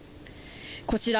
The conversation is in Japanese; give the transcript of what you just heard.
こちら